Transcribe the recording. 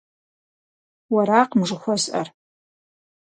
Уэракъым жыхуэсӏэр.